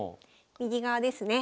右側ですね。